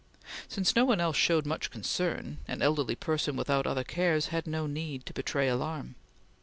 Since no one else showed much concern, an elderly person without other cares had no need to betray alarm.